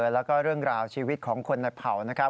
แล้วก็เรื่องราวชีวิตของคนในเผ่านะครับ